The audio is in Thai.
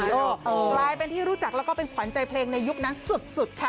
กลายเป็นที่รู้จักแล้วก็เป็นขวัญใจเพลงในยุคนั้นสุดค่ะ